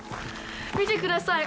見てください！